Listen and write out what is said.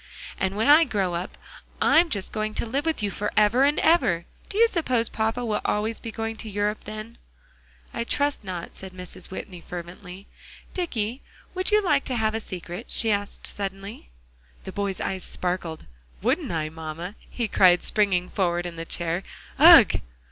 "And when I grow up, I'm just going to live with you forever and ever. Do you suppose papa will be always going to Europe then?" "I trust not," said Mrs. Whitney fervently. "Dicky, would you like to have a secret?" she asked suddenly. The boy's eyes sparkled. "Wouldn't I mamma?" he cried, springing forward in the chair; "ugh!"